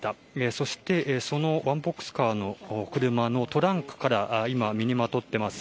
そして、そのワンボックスカーの車のトランクから身にまとっています